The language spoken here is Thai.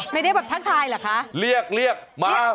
ไม่ได้แบบทักทายเหรอคะเรียกเรียกมา